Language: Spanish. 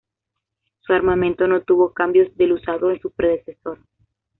Su armamento no tuvo cambios del usado en su predecesor.